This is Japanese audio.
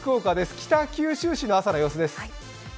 北九州市の朝の様子です。